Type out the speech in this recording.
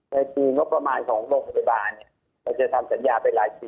ในจีนก็ประมาณ๒โรงพยาบาลจะทำสัญญาไปหลายปี